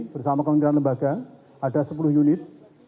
bersama kementerian lembaga ada sepuluh unit